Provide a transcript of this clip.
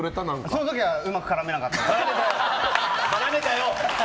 その時はうまく絡めなかったです。